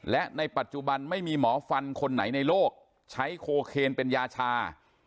และในปัจจุบันไม่มีหมอฟันคนไหนในโลกใช้โคเคนเป็นยาชา